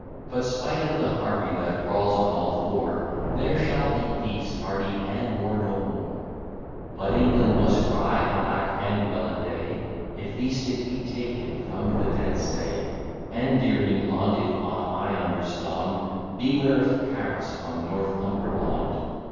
But spight of the Harpy that crawls on all four, There shall be peace, pardie, and war no more But England must cry alack and well a day, If the stick be taken from the dead sea. And, dear Englond, if ought I understond, Beware of Carrots from Northumberlond.